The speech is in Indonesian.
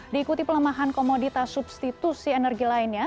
diikuti pelemahan komoditas substitusi energi lainnya